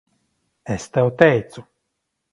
Es tev teicu.